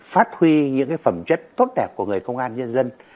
phát huy những phẩm chất tốt đẹp của người công an nhân dân